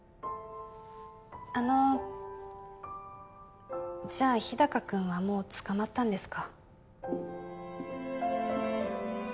あのじゃ日高君はもう捕まったんですか？